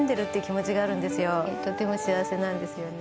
とても幸せなんですよね。